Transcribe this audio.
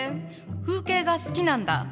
風景画好きなんだ。